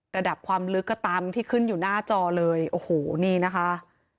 ระดับความลึกก็ตามที่ขึ้นอยู่หน้าจอเลยโอ้โหนี่นะคะ